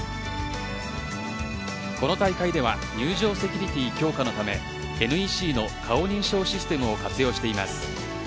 この大会では入場セキュリティー強化のためＮＥＣの顔認証システムを活用しています。